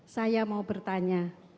saya mau bertanya